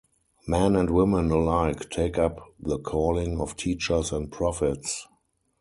Men and women alike take up the calling of teachers and prophets.